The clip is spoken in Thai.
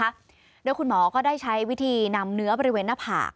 โดยคุณหมอก็ได้ใช้วิธีนำเนื้อบริเวณหน้าผาก